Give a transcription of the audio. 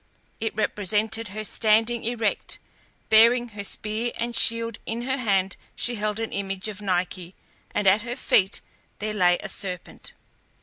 It represented her standing erect, bearing her spear and shield; in her hand she held an image of Nike, and at her feet there lay a serpent.